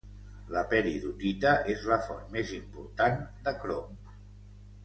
La peridotita és la font més important de crom.